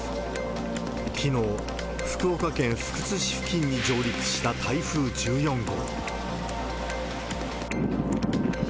きのう、福岡県福津市付近に上陸した台風１４号。